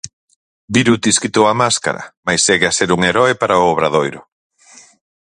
Birutis quitou a máscara, mais segue a ser un heroe para o Obradoiro...